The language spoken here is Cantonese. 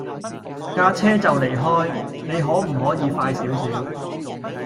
架車就嚟開，你可唔可以快少少